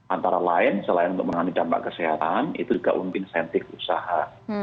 antara lain selain untuk mengalami dampak kesehatan itu juga memimpinsentif usaha